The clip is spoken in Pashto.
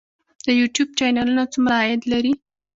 د یوټیوب چینلونه څومره عاید لري؟